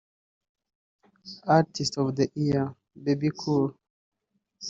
Artist of the Year — Bebe Cool